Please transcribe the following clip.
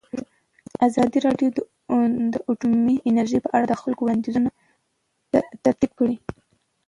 ازادي راډیو د اټومي انرژي په اړه د خلکو وړاندیزونه ترتیب کړي.